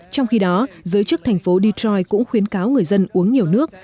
trong khi đó giới chức thành phố detroit cũng khuyến cáo người dân uống nhiều nước